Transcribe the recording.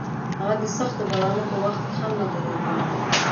هغه د سختو بارانونو په وخت کې هم نه درېده.